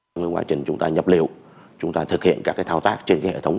trong quá trình chúng ta nhập liệu chúng ta thực hiện các thao tác trên hệ thống